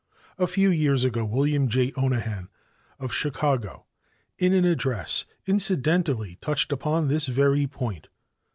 A few years ago William J. Onahan, of Chicago, in an address, incidentally touched upon this very point.